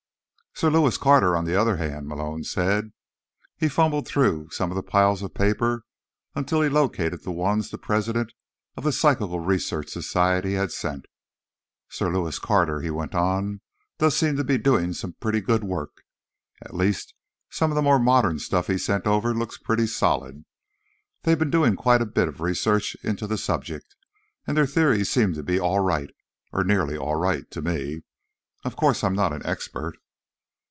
"Sir Lewis Carter, on the other hand—" Malone said. He fumbled through some of the piles of paper until he had located the ones the president of the Psychical Research Society had sent. "Sir Lewis Carter," he went on, "does seem to be doing some pretty good work. At least, some of the more modern stuff he sent over looks pretty solid. They've been doing quite a bit of research into the subject, and their theories seem to be all right, or nearly all right, to me. Of course, I'm not an expert."